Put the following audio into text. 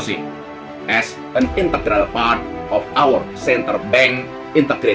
sebagai bagian integral dari polisi integrasi bank tni